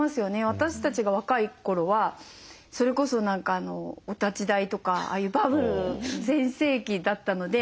私たちが若い頃はそれこそ何かお立ち台とかああいうバブル全盛期だったので。